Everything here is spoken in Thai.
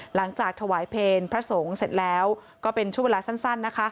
หลังจากถวายเพลงพระสงฆ์เสร็จแล้วก็เป็นช่วงเวลาสั้นนะคะ